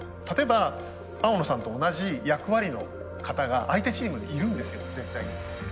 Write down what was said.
例えば青野さんと同じ役割の方が相手チームにいるんですよ絶対に。